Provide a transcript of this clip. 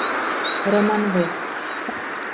Roman Vlk.